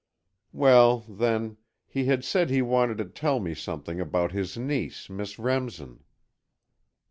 "Well, then, he had said he wanted to tell me something about his niece, Miss Remsen."